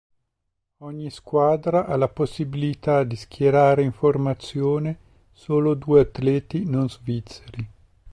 Ogni squadra ha la possibilità di schierare in formazione solo due atleti non svizzeri.